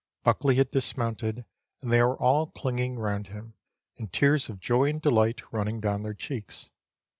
Buckley had dismounted, and they were all clinging round him, and tears of joy and delight running down their cheeks.